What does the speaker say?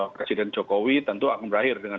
presiden jokowi tentu akan berakhir dengan